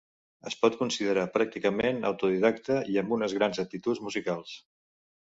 Es pot considerar pràcticament autodidacte i amb unes grans aptituds musicals.